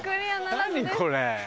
何これ。